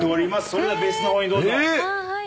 それでは別室の方にどうぞ。